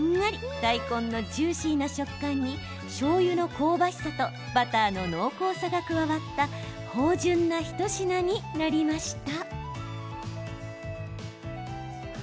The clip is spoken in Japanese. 大根のジューシーな食感にしょうゆの香ばしさとバターの濃厚さが加わった芳じゅんな一品になりました。